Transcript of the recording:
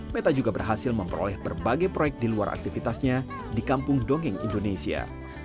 meta juga berhasil memperoleh berbagai proyek di luar aktivitasnya di kampung dongeng indonesia